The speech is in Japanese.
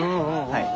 はい。